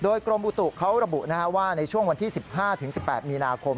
กรมอุตุเขาระบุว่าในช่วงวันที่๑๕๑๘มีนาคม